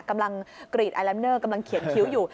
กำลังกรีดไอลันเนอร์กำลังเขียนคิ้วอยู่